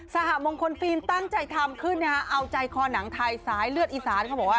สหมงคลฟิล์มตั้งใจทำขึ้นเอาใจคอนังไทยสายเลือดอีสาน